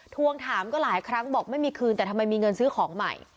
ทวงถามก็หลายครั้งบอกไม่มีคืนแต่ทำไมมีเงินซื้อของใหม่